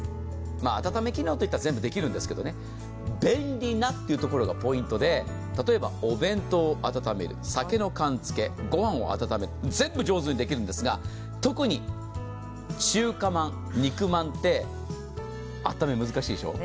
温め機能といったら全部できるんですけど、便利なというのがポイントで、例えば、お弁当を温める、酒の燗つけ、ごはんを温める、全部上手にできるんですが特に中華まん、肉まんってあっため難しいでしょう。